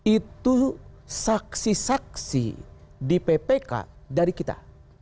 itu saksi saksi di ppk dari kita